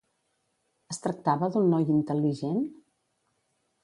Es tractava d'un noi intel·ligent?